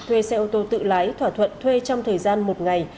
thuê xe ô tô tự lái thỏa thuận thuê trong thời gian một ngày